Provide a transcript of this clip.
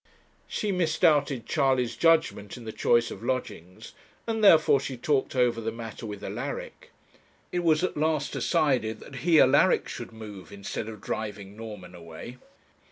She misdoubted Charley's judgement in the choice of lodgings, and therefore she talked over the matter with Alaric. It was at last decided that he, Alaric, should move instead of driving Norman away.